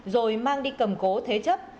rồi mang đi cầm cố thế chấp